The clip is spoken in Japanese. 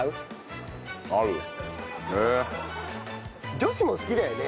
女子も好きだよね。